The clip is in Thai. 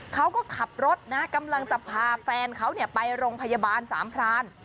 เขาก็ขับรถนะกำลังจะพาแฟนเขาไปโรงพยาบาลสามพราน